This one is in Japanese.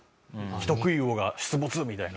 「人食い魚が出没！」みたいな。